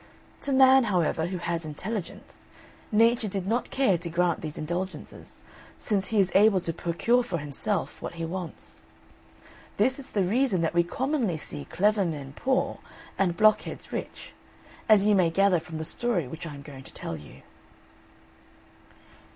To man however, who has intelligence, Nature did not care to grant these indulgences, since he is able to procure for himself what he wants. This is the reason that we commonly see clever men poor, and blockheads rich; as you may gather from the story which I am going to tell you.